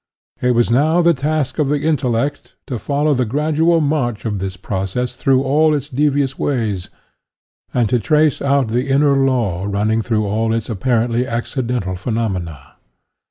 It was now the task of the intellect to follow the gradual march of this process through all its devious ways, and to trace out the inner law running through all its apparently accidental phe nomena.